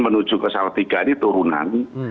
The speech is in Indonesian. menuju ke salatiga ini turunan